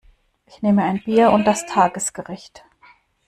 Ich nehme ein Bier und das Tagesgericht.